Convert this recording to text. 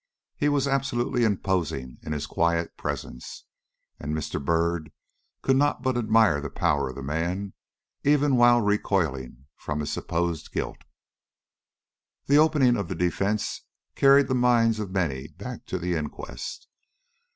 He was absolutely imposing in his quiet presence, and Mr. Byrd could not but admire the power of the man even while recoiling from his supposed guilt. The opening of the defence carried the minds of many back to the inquest.